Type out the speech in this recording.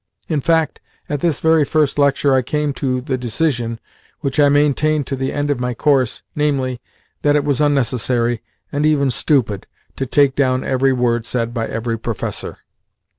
In fact, at this very first lecture I came to the decision which I maintained to the end of my course, namely, that it was unnecessary, and even stupid, to take down every word said by every professor.